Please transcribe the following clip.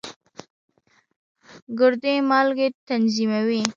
ګردې مالګې تنظیموي.